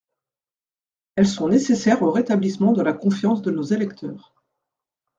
Elles sont nécessaires au rétablissement de la confiance de nos électeurs.